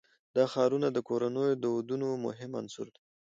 دا ښارونه د کورنیو د دودونو مهم عنصر دی.